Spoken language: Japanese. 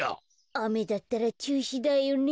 あめだったらちゅうしだよね。